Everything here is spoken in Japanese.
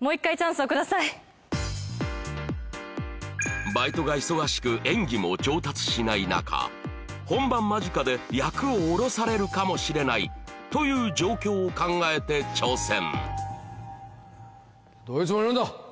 もう一回チャンスを下さいバイトが忙しく演技も上達しない中本番間近で役を降ろされるかもしれないという状況を考えて挑戦どういうつもりなんだ！